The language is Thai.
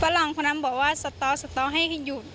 ปะหลังทางนั้นบอกว่าสตให้หยุด